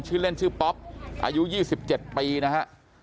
ชื่อเล่นชื่อป๊อบอายุยี่สิบเจ็ดปีนะฮะ